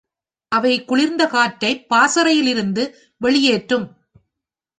அவை குளிர்ந்த காற்றைப் பாசறையில் லிருந்து வெளியேற்றும்.